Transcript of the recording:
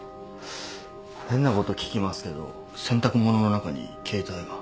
変なこと聞きますけど洗濯物の中に携帯が。